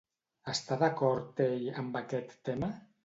Està d'acord ell amb aquest tema?